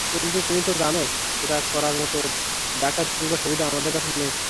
কিন্তু তুমি তো জানোই সেটা করার মতো ডাক্তার কিংবা সুবিধা আমাদের কাছে নেই।